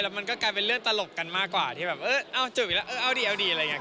แล้วมันก็กลายเป็นเรื่องตลกกันมากกว่าที่แบบเออจุบอีกแล้วเอาดีอะไรอย่างนี้